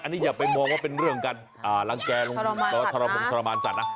อันนี้อย่าไปมองว่าเป็นเรื่องการรังแก่ทรมงทรมานสัตว์นะ